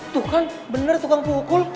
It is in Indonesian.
tuh kan benar tukang pukul